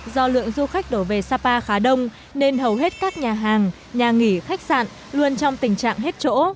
do lượng du khách đổ về sapa khá đông nên hầu hết các nhà hàng nhà nghỉ khách sạn luôn trong tình trạng hết chỗ